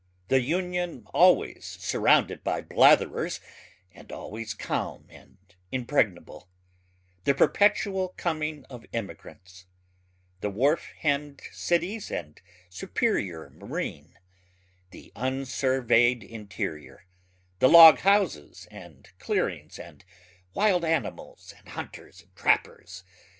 the Union always surrounded by blatherers and always calm and impregnable the perpetual coming of immigrants the wharf hem'd cities and superior marine the unsurveyed interior the loghouses and clearings and wild animals and hunters and trappers